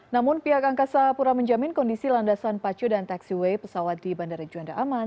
namun pihak angkasa pura menjamin kondisi landasan pacu dan taxiway pesawat di bandara juanda aman